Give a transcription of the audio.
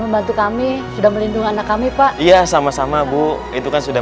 membantu kami sudah melindungi anak kami pak iya sama sama bu itu kan sudah